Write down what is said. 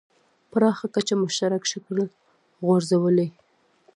پراخه کچه مشترک شکل غورځولی.